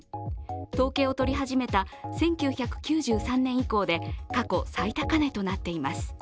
統計を取り始めた１９９３年以降で過去最高値となつています。